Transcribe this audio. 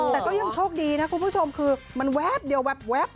แต่ก็ยังโชคดีนะคุณผู้ชมคือมันแวบเดียวแว๊บ